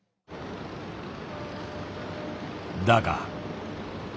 だが。